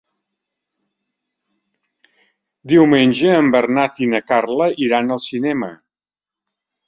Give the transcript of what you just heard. Diumenge en Bernat i na Carla iran al cinema.